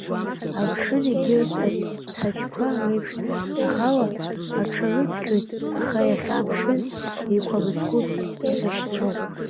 Амшын егьырҭ аӡҭачқәа реиԥш ахала аҽарыцқьоит, аха иахьа амшын Еиқәа мыцхәы иҟьашьцәоуп.